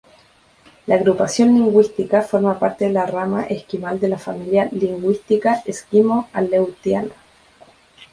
La agrupación lingüística forma parte de la rama esquimal de la familia lingüística esquimo-aleutiana.